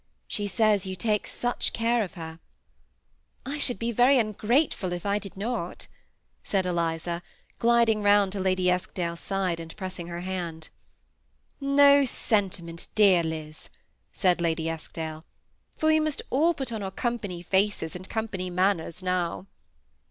She says you take such care of her." THE SEMI ATTACHED COUPLE. 103 " I should be very ungrateful if I did not," said Eliza, gliding round to Lady Eskdale's side, and pressing her hand. " No sentiment, dear Liz," said Lady Eskdale, " for we must all put on our company faces and company manners now."